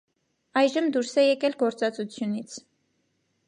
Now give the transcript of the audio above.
Այժմ դուրս է եկել գործածությունից։